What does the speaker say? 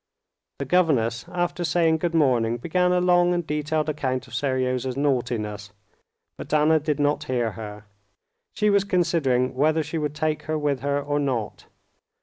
The governess, after saying good morning, began a long and detailed account of Seryozha's naughtiness, but Anna did not hear her; she was considering whether she would take her with her or not.